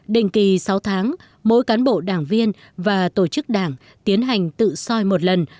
đình kỳ sáu tháng mỗi cán bộ đảng viên và tổ chức đảng tiến hành tự soi một lần